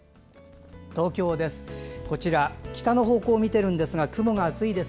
東京です。